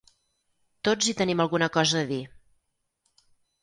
Tots hi tenim alguna cosa a dir.